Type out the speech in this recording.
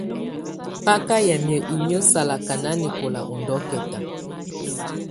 Baka yamɛ̀á inƴǝ́ salaka nanɛkɔla ù ndɔ̀kɛta.